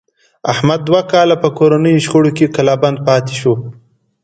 احمد دوه کاله په کورنیو شخړو کې کلا بند پاتې شو.